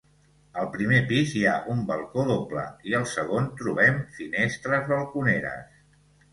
Al primer pis hi ha un balcó doble i al segon trobem finestres balconeres.